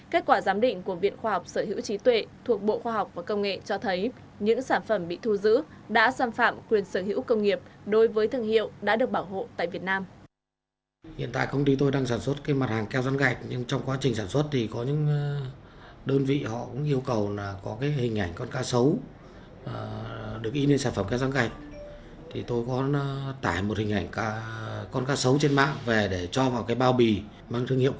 kết quả giám định của viện khoa học sở hữu trí tuệ thuộc bộ khoa học và công nghệ cho thấy những sản phẩm bị thu giữ đã xâm phạm quyền sở hữu công nghiệp đối với thương hiệu đã được bảo hộ tại việt nam